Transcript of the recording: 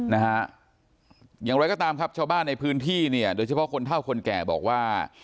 นะฮะอย่างไรก็ตามครับชาวบ้านในพื้นที่เนี่ยโดยเฉพาะคนเท่าคนแก่บอกว่า